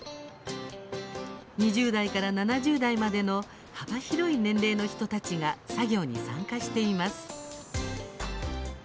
２０代から７０代までの幅広い年齢の人たちが作業に参加しています。